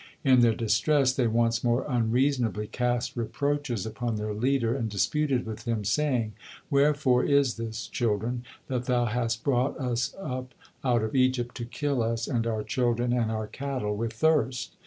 In their distress they once more unreasonably cast reproaches upon their leader, and disputed with him, saying: "Wherefore is this, children, that thou hast brought us up out of Egypt, to kill us, and our children, and our cattle with thirst?"